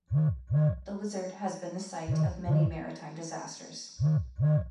The Lizard has been the site of many maritime disasters.